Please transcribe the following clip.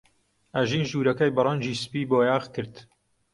ئەژین ژوورەکەی بە ڕەنگی سپی بۆیاغ کرد.